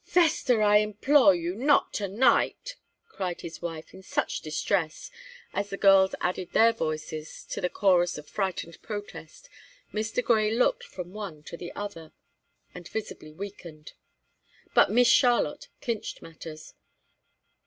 "'Vester, I implore of you, not to night!" cried his wife, in such distress that, as the girls added their voices to the chorus of frightened protest, Mr. Grey looked from one to the other, and visibly weakened. But Miss Charlotte clinched matters.